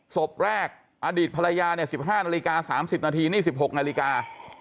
ศพแรกอดีตภรรยา๑๕นาฬิกา๓๐นาทีนี่๑๖นาฬิกา